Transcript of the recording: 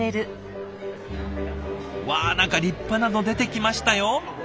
うわ何か立派なの出てきましたよ？